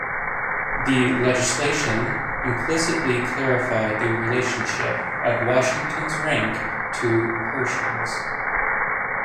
The legislation implicitly clarified the relationship of Washington's rank to Pershing's.